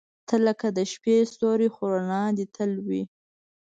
• ته لکه د شپې ستوری، خو رڼا دې تل وي.